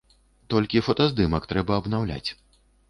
Толькі фотаздымак трэба абнаўляць.